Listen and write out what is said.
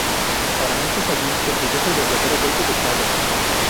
Para muchos, allí se produjo el verdadero golpe de Estado.